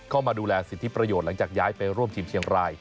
เข้ามาดูแลสิทธิประโยชน์หลังจากย้ายไปร่วมทีมเชียงราย